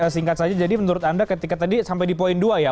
singkat saja jadi menurut anda ketika tadi sampai di poin dua ya